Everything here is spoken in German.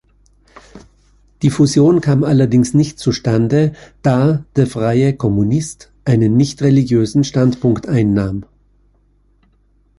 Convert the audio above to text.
Die Fusion kam allerdings nicht zustande da "De Vrije Communist" einen nicht-religiösen Standpunkt einnahm.